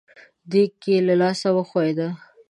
دېګ يې له لاسه وښوېد.